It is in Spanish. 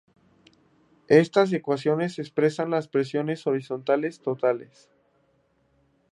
Estas ecuaciones expresan las presiones horizontales totales.